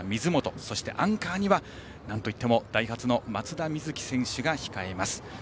そしてアンカーにはなんといってもダイハツの松田瑞生選手が控えます。